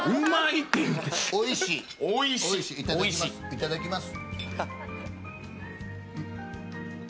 いただきます。